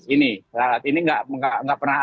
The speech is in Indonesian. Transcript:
ini ini nggak pernah